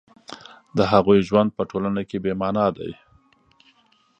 د هغوی ژوند په ټولنه کې بې مانا دی